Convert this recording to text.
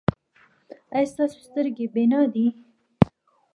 ایا ستاسو سترګې بینا دي؟